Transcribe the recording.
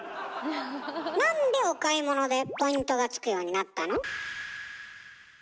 なんでお買い物でポイントがつくようになったの？